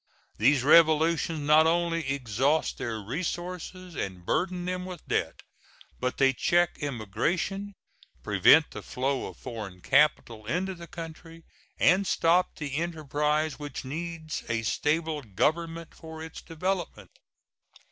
These revolutions not only exhaust their resources and burden them with debt, but they check emigration, prevent the flow of foreign capital into the country, and stop the enterprise which needs a stable government for its development.